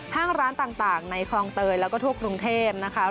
ห้างร้านต่างในคลองเตยแล้วก็ทั่วกรุงเทพนะคะ